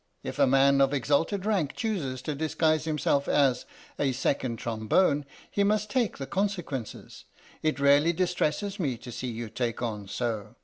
If a man of exalted rank chooses to disguise himself as a Second Trombone he must take the consequences. It really distresses me to see you take on so.